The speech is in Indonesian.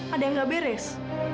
ada yang gak beres